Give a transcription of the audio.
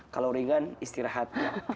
kalau ringan istirahat